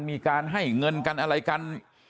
มีการให้เงินกันอะไรกัน